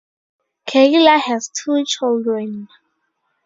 Keeler has two children.